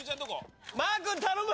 マー君頼む！